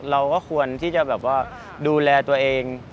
เราก็ควรที่จะแบบว่าดูแลตัวเอง